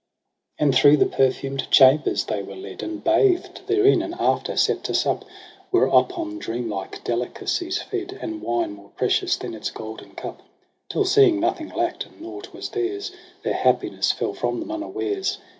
8 And through the perfumed chambers they were led. And bathed therein ; and after, set to sup. Were upon dreamlike delicacies fed, And wine more precious than its golden cup. Till seeing nothing lack'd and naught was theirs. Their happiness fell from them unawares.